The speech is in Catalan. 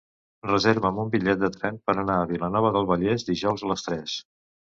Reserva'm un bitllet de tren per anar a Vilanova del Vallès dijous a les tres.